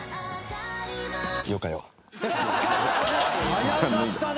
「早かったね！」